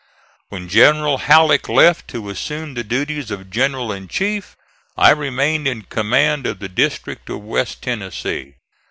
When General Halleck left to assume the duties of general in chief I remained in command of the district of West Tennessee.